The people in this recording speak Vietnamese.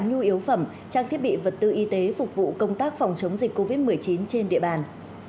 nhu yếu phẩm trang thiết bị vật tư y tế phục vụ công tác phòng chống dịch covid một mươi chín trên địa bàn